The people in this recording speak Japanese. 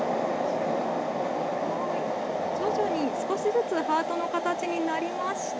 少しずつハートの形になりました。